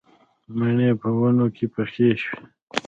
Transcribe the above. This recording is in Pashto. مڼې په ونو کې پخې شوې